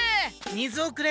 水をくれ。